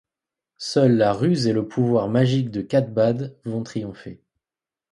Seuls la ruse et le pouvoir magique de Cathbad vont triompher.